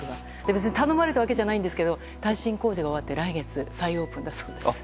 別に頼まれたわけじゃないんですが耐震工事が終わって再オープンだそうです。